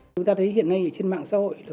chúng ta thấy hiện nay trên mạng xã hội